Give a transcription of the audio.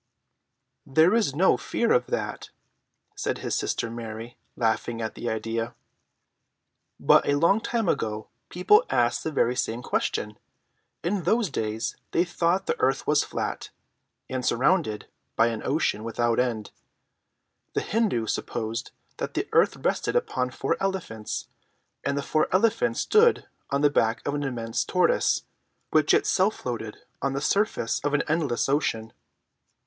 ] "There is no fear of that," said his sister Mary, laughing at the idea. "But a long time ago people asked the very same question. In those days they thought the earth was flat, and surrounded by an ocean without end. The Hindoos supposed that the earth rested upon four elephants, and the four elephants stood on the back of an immense tortoise, which itself floated on the surface of an endless ocean.